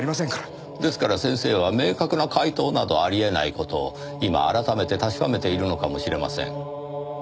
ですから先生は明確な解答などありえない事を今改めて確かめているのかもしれません。